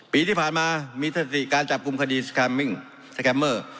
ปีที่ผ่านมามีสถิติการจับกลุ่มคดีสแคมมิ่งสแกมเมอร์